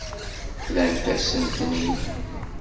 Rrant-asen-ten-id.